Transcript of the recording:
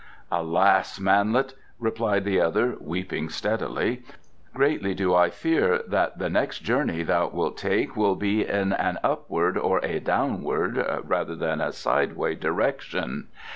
"Alas, manlet," replied the other, weeping readily, "greatly do I fear that the next journey thou wilt take will be in an upward or a downward rather than a sideway direction.